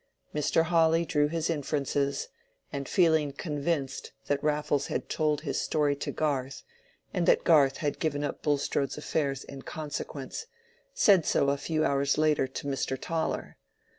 Mr Hawley drew his inferences, and feeling convinced that Raffles had told his story to Garth, and that Garth had given up Bulstrode's affairs in consequence, said so a few hours later to Mr. Toller.